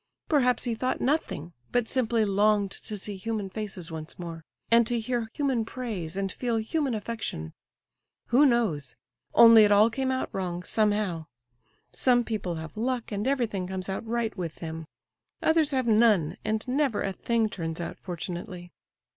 Perhaps he thought nothing, but simply longed to see human faces once more, and to hear human praise and feel human affection. Who knows? Only it all came out wrong, somehow. Some people have luck, and everything comes out right with them; others have none, and never a thing turns out fortunately."